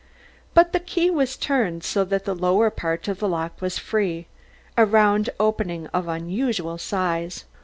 But the key was turned so that the lower part of the lock was free, a round opening of unusual size.